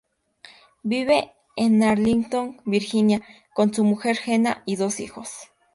Vive en Arlington, Virginia, con su mujer Gena y dos hijos.